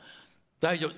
大丈夫。